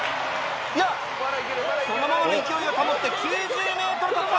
いやそのままの勢いを保って９０ｍ突破！